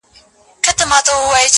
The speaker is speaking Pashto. زموږ د شاهباز له شاهپرونو سره لوبي کوي،